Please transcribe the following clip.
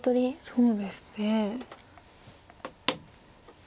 そうですね。